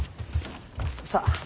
さあ。